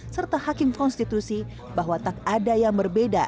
serta hakim konstitusi bahwa tak ada yang berbeda